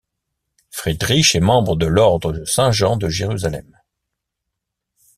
Friedrich est membre de l'ordre de Saint-Jean de Jérusalem.